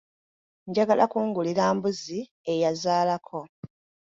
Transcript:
Njagala kungulira mbuzi eyazaalako.